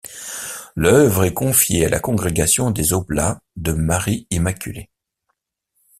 L'œuvre est confiée à la congrégation des oblats de Marie-Immaculée.